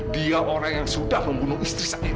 dia orang yang sudah membunuh istri saya